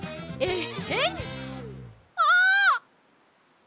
えっ？